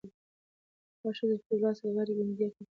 هغه ښځه چې په لاس غاړې ګنډي ډېره تکړه ده.